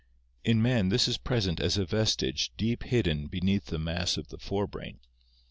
In man this is present as a vestige deep hidden beneath the mass of the fore brain.